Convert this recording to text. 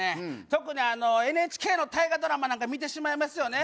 特にあのＮＨＫの大河ドラマなんか見てしまいますよね